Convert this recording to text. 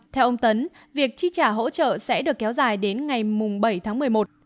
theo ông tấn việc chi trả hỗ trợ sẽ được kéo dài đến ngày bảy tháng một mươi một